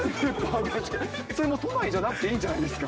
それ都内じゃなくていいんじゃないですか？